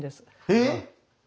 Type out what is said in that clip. えっ